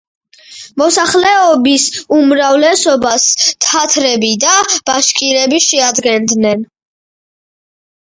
მოსახლეობის უმრავლესობას თათრები და ბაშკირები შეადგენენ.